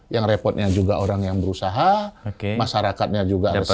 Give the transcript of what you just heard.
yang repotnya juga orang yang berusaha masyarakatnya juga rusak